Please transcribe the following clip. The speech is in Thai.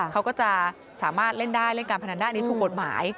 เขาก็จะสามารถเล่นได้เล่นการพนันได้อันนี้ถูกกฎหมาย